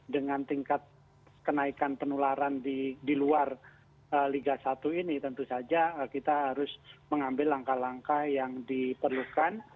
dengan tingkat kenaikan penularan di luar liga satu ini tentu saja kita harus mengambil langkah langkah yang diperlukan